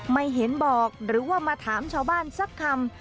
ไม่เห็นบอกหรือว่ามาถามชาวบ้านสักคำ